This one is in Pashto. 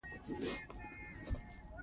خالي جب يو ژور درد دې